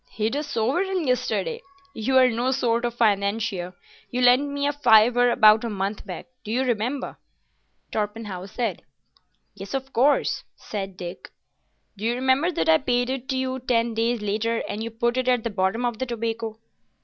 "Hid a sovereign yesterday! You're no sort of financier. You lent me a fiver about a month back. Do you remember?" Torpenhow said. "Yes, of course." "Do you remember that I paid it you ten days later, and you put it at the bottom of the tobacco?"